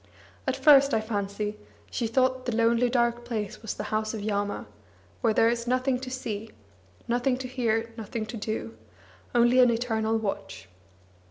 At first, I fancy, she thought the lonely dark place was the House of Yama, where there is nothing to see, nothing to hear, nothing to do, only an eternal watch.